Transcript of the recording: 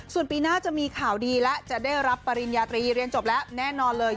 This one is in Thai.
ส่วนปีหน้าจะมีข่าวดีแล้วจะได้รับปริญญาตรีเรียนจบแล้วแน่นอนเลย